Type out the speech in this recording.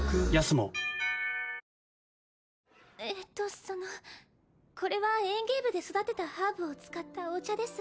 そのこれは園芸部で育てたハーブを使ったお茶です